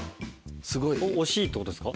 惜しいってことですか？